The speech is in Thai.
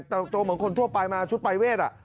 แต่ตัวเหมือนคนทั่วไปมาชุดปรายเวท